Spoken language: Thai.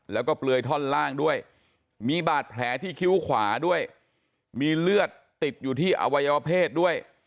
แล้วก็เปลือยท่อนล่างด้วยมีบาดแผลที่คิ้วขวาด้วยมีเลือดติดอยู่ที่อวัยวเพศด้วย